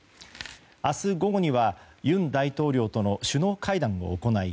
明日午後には尹大統領との首脳会談を行い